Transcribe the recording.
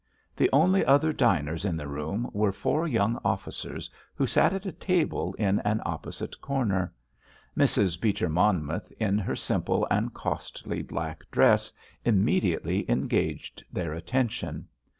The only other diners in the room were four young officers, who sat at a table in an opposite corner. Mrs. Beecher Monmouth, in her simple and costly black dress, immediately engaged their attention.